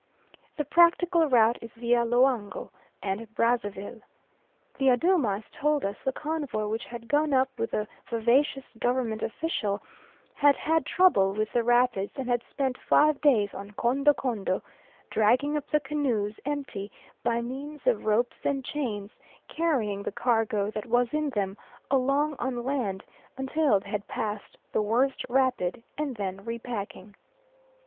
The practical route is via Loango and Brazzaville. The Adoomas told us the convoy which had gone up with the vivacious Government official had had trouble with the rapids and had spent five days on Kondo Kondo, dragging up the canoes empty by means of ropes and chains, carrying the cargo that was in them along on land until they had passed the worst rapid and then repacking.